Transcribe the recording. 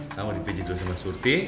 sama dipijit dulu sama surti